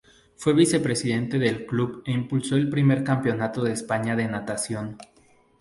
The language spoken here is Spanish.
Fue vicepresidente del club e impulsó el primer Campeonato de España de natación.